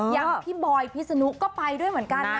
อย่างพี่บอยพิษนุก็ไปด้วยเหมือนกันนะ